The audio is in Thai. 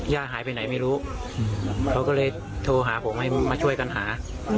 หายไปไหนไม่รู้เขาก็เลยโทรหาผมให้มาช่วยกันหา